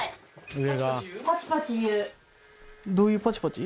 どういうパチパチ？